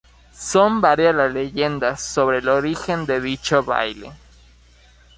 Son varias las leyendas sobre el origen de dicho baile.